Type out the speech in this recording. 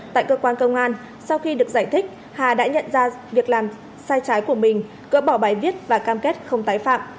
tại cơ quan công an sau khi được giải thích hà đã nhận ra việc làm sai trái của mình gỡ bỏ bài viết và cam kết không tái phạm